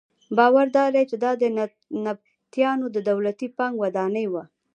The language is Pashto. باور دادی چې دا د نبطیانو د دولتي بانک ودانۍ وه.